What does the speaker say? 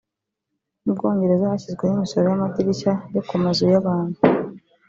Mu Bwongereza hashyizweho imisoro y’amadirishya yo ku mazu y’abantu